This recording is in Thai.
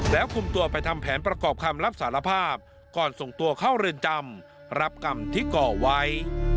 แล้วคุมตัวไปทำแผนประกอบคำรับสารภาพก่อนส่งตัวเข้าเรือนจำรับกรรมที่ก่อไว้